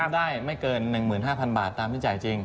ได้ไม่เกิน๑๕๐๐บาทตามที่จ่ายจริง